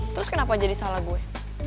terus kenapa jadi salah gue